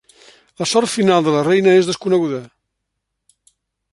La sort final de la reina és desconeguda.